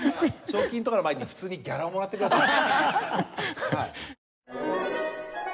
賞金とかの前に普通にギャラをもらってください。